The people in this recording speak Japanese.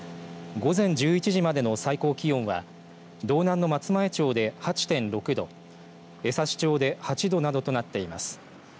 午前１１時までの最高気温は道南の松前町で８．６度江差町で８度などとなっています。